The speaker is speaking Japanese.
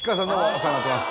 お世話になってます